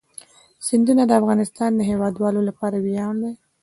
سیندونه د افغانستان د هیوادوالو لپاره ویاړ دی.